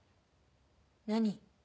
何？